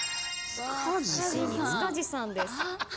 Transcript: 塚地さんです。